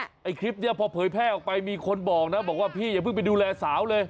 ไอ้คลิปนี้พอเผยแพร่ออกไปมีคนบอกนะบอกว่าพี่อย่าเพิ่งไปดูแลสาวเลย